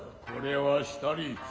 これはしたり。